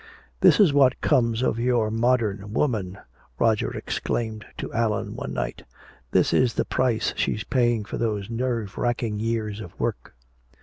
"This is what comes of your modern woman!" Roger exclaimed to Allan one night. "This is the price she's paying for those nerve racking years of work!"